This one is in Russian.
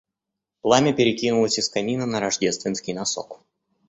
Пламя перекинулось из камина на рождественский носок.